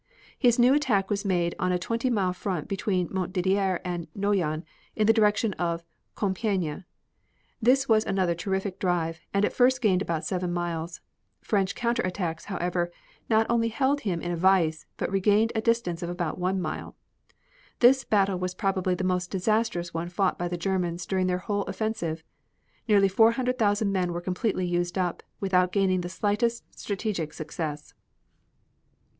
His new attack was made on a twenty mile front between Montdidier and Noyon in the direction of Compiegne. This was another terrific drive and at first gained about seven miles. French counter attacks, however, not only held him in a vise but regained a distance of about one mile. This battle was probably the most disastrous one fought by the Germans during their whole offensive. Nearly four hundred thousand men were completely used up, without gaining the slightest strategic success.